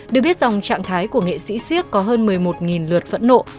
được biết dòng trạng thái của nghệ sĩ siếc có hơn một mươi một lượt phẫn nộ